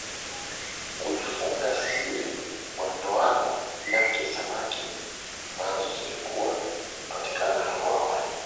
kuifunga siri kwa ndoano yake samaki ambazo zilikuwa zimepatikana hapo awali